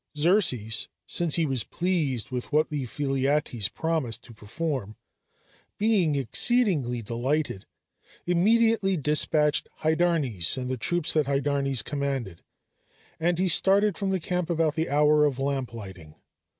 Xerxes, since he was pleased with what Ephialtes promised to perform, being exceedingly delighted, immediately despatched Hydarnes and the troops that Hydarnes commanded, and he started from the camp about the hour of lamp lighting.